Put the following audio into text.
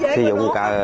sử dụng cả